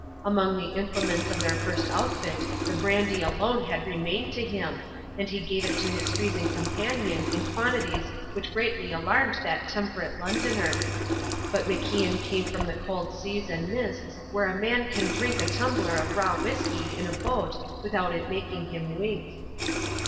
Among the implements of their first outfit the brandy alone had remained to him, and he gave it to his freezing companion in quantities which greatly alarmed that temperate Londoner; but MacIan came from the cold seas and mists where a man can drink a tumbler of raw whisky in a boat without it making him wink.